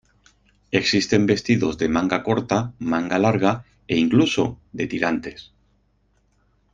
Existen vestidos de manga corta, manga larga e incluso, de tirantes.